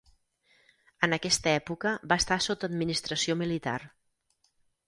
En aquesta època va estar sota administració militar.